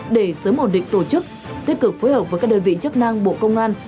để sớm ổn định tổ chức tích cực phối hợp với các đơn vị chức năng bộ công an